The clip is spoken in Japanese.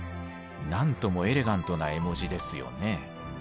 なんともエレガントな絵文字ですよね。